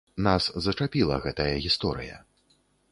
Нас зачапіла гэтая гісторыя.